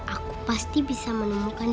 aku pasti bisa menemukan